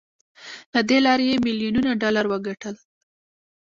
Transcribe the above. له دې لارې يې ميليونونه ډالر وګټل.